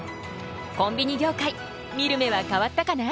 コンビニ業界見る目は変わったかな？